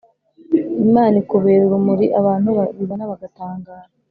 Imana ikubera urumuri abantu babibona bagatangara